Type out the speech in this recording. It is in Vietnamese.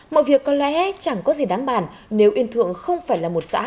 mọi việc có lẽ chẳng có gì đáng bản nếu yên thượng không phải là một xã